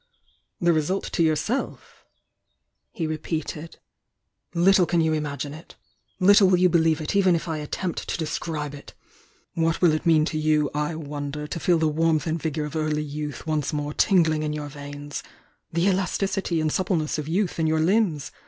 The result to yourself?" he repeated. "Little can you imagine it!— little will you believe it even if I attempt to describe it! What will it mean to you I wonder, to feel the warmth and vigour of early youth once more tingling in your veins?— the elas ticity and suppleness of youth in your limbs?